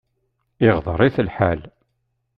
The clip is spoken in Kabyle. Iɣḍer-it lḥal.